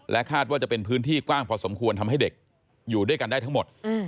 คาดว่าจะเป็นพื้นที่กว้างพอสมควรทำให้เด็กอยู่ด้วยกันได้ทั้งหมด